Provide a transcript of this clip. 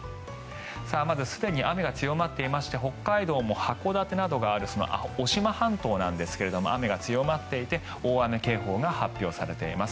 まずすでに雨が強まっていまして北海道も函館などがある渡島半島なんですが雨が強まっていて大雨警報が発表されています。